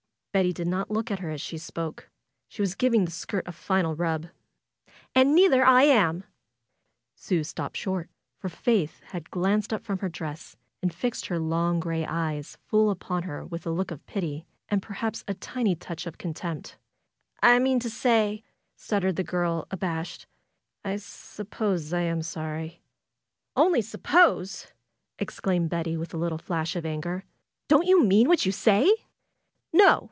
Betty did not look at her as she spoke. She was giving the skirt a final rub. "And neither I am !" Sue stopped short, for Faith glanced up from her dress, and fixed her long gray eyes full upon her with a look of pity, and perhaps a tiny touch of contempt. "I mean to say," stuttered the girl, abashed, "I s'pose I am sorry." "Only suppose!" exclaimed Betty, with a little flash of anger. "Don't you mean what you say?" "No!"